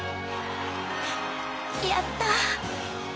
やった。